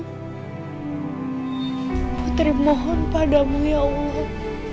putri mohon padamu ya allah